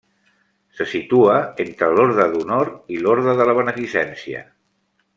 Se situa entre l'Orde d'Honor i l'Orde de la Beneficència.